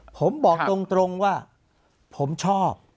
ผมบอกตรงว่าผมชอบ